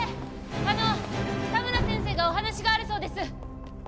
あの田村先生がお話があるそうです